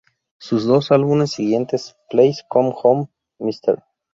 Sus dos álbumes siguientes, "Please Come Home... Mr.